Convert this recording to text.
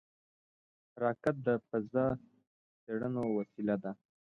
راکټ د فضا څېړنو وسیله ده